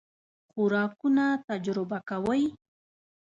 خوراکونه تجربه کوئ؟